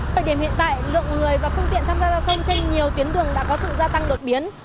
thời điểm hiện tại lượng người và phương tiện tham gia giao thông trên nhiều tuyến đường đã có sự gia tăng đột biến